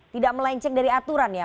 tidak melenceng dari aturan ya